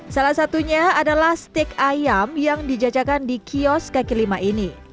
salah satunya adalah steak ayam yang dijajakan di kios kaki lima ini